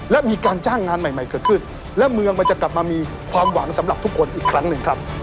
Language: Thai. และมีการจ้างงานใหม่เกิดขึ้นและเมืองมันจะกลับมามีความหวังสำหรับทุกคนอีกครั้งหนึ่งครับ